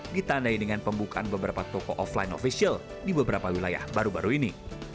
ditandai dengan pembukaan beberapa toko offline official di beberapa wilayah baru baru ini